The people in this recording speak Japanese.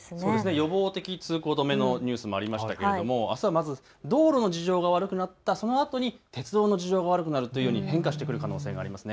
予防的通行止めのニュースもありましたけれども、あすはまず道路の事情が悪くなったそのあとに鉄道の事情が悪くなるというふうに変化してくる可能性がありますね。